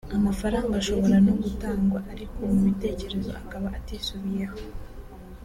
amafaranga ashobora no gutangwa ariko mu bitekerezo akaba atisubiyeho